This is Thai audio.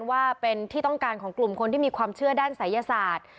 ว่าเป็นที่ต้องการของกลุ่มคนที่มีความเชื่อด้านศัยศาสตร์